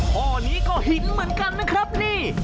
ข้อนี้ก็หินเหมือนกันนะครับนี่